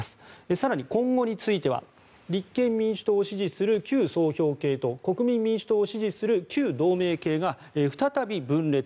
更に今後については立憲民主党を支持する旧総評系と国民民主党を支持する旧同盟系が再び分裂。